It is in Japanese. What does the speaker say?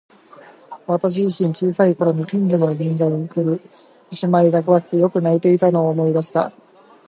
私自身、小さい頃に近所の神社にくる獅子舞が怖くてよく泣いていたのを思い出した。